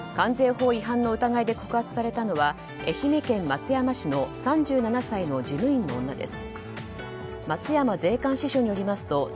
関税法違反の疑いで告発されたのは愛媛県松山市の３７歳の事務員の女です。